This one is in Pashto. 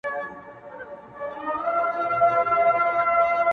د ژوند دوهم جنم دې حد ته رسولی يمه،